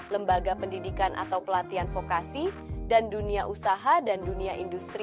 lembaga pendidikan atau pelatihan vokasi dan dunia usaha dan dunia industri